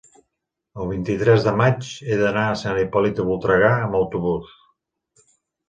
el vint-i-tres de maig he d'anar a Sant Hipòlit de Voltregà amb autobús.